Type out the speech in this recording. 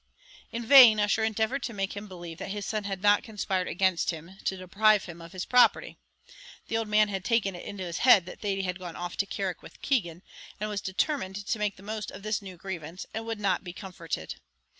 In vain Ussher endeavoured to make him believe that his son had not conspired against him, to deprive him of his property. The old man had taken it into his head that Thady had gone off to Carrick with Keegan, and was determined to make the most of this new grievance, and would not be comforted.